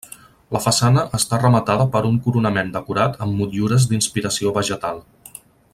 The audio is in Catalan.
La façana està rematada per un coronament decorat amb motllures d'inspiració vegetal.